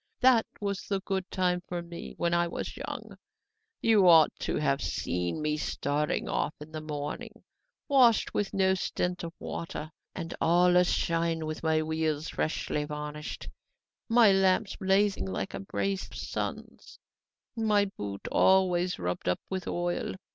That was the good time for me, when I was young! You ought to have seen me starting off in the morning, washed with no stint of water and all a shine, with my wheels freshly varnished, my lamps blazing like a brace of suns, and my boot always rubbed up with oil!